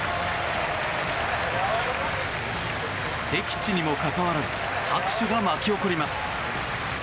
敵地にもかかわらず拍手が巻き起こります。